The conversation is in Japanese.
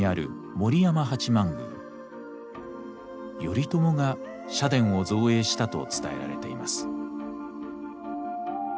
頼朝が社殿を造営したと伝えられています。